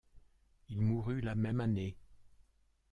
Il mourut la même année.